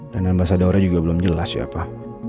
dan ambasadornya juga belum jelas ya pak